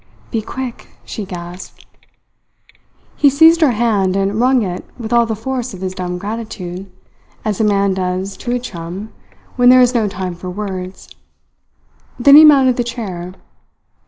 "Be quick!" she gasped. He seized her hand and wrung it with all the force of his dumb gratitude, as a man does to a chum when there is no time for words. Then he mounted the chair.